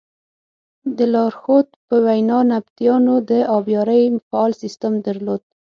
د لارښود په وینا نبطیانو د ابیارۍ فعال سیسټم درلود.